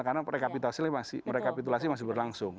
oh angka sedikit karena rekapitulasi masih berlangsung